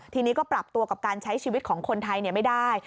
ทีนี้ก็ปรับตัวกับการใช้ชีวิตของคนไทยไม่ได้